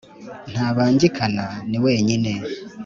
Ntabangikana, ni wenyine.